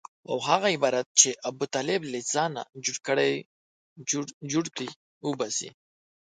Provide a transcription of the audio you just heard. او هغه عبارات چې ابوطالب له ځانه جوړ کړي وباسي.